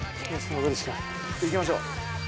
行きましょう。